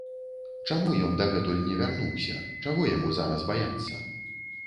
Чаму ён дагэтуль не вярнуўся, чаго яму зараз баяцца?